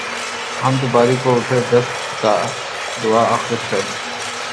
حمد باری کو اٹھے دست دعا آخر شب